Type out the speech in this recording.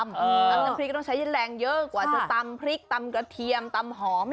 น้ำพริกก็ต้องใช้แรงเยอะกว่าจะตำพริกตำกระเทียมตำหอม